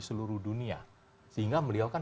seluruh dunia sehingga beliau kan